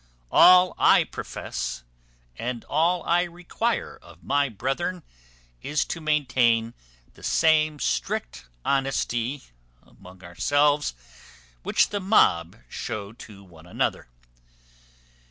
All I profess, and all I require of my brethren, is to maintain the same strict honesty among ourselves which the mob show to one another.